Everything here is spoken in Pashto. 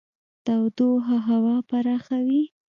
تودوخه هوا پراخوي.